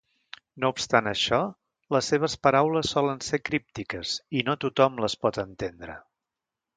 No obstant això, les seves paraules solen ser críptiques i no tothom les pot entendre.